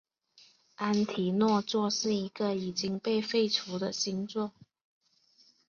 安提诺座是一个已经被废除的星座。